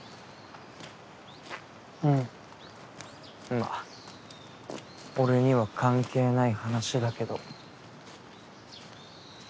まあ俺には関係ない話だけど。